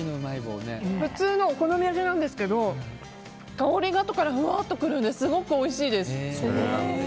普通のお好み焼きなんですけど香りが後からふわっときてすごくおいしいです。